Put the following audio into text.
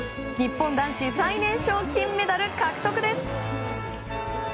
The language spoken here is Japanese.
日本男子最年少金メダル獲得です。